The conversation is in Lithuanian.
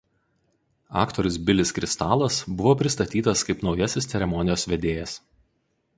Aktorius Bilis Kristalas buvo pristatytas kaip naujasis ceremonijos vedėjas.